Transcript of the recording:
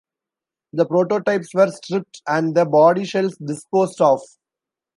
The prototypes were stripped and the bodyshells disposed of.